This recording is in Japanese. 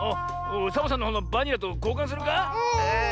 サボさんのほうのバニラとこうかんするか？